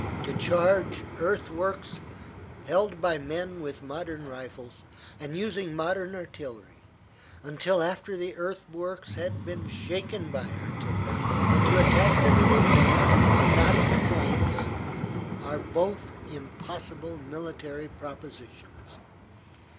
To charge earthworks held by men with modern rifles, and using modern artillery, until after the earthworks have been shaken by artillery, and to attack them in advance and not in the flanks, are both impossible military propositions.